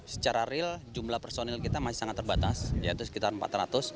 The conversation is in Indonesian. secara real jumlah personil kita masih sangat terbatas yaitu sekitar empat ratus